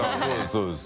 そうです